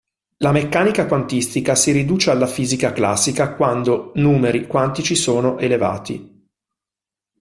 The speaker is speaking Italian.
La meccanica quantistica si riduce alla fisica classica quando numeri quantici sono elevati.